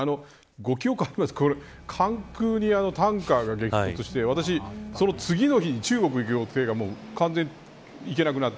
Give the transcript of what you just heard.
ご記憶あるかと思うんですけど関空にタンカーが激突して私、この次の日に中国に行く予定が完全に行けなくなって。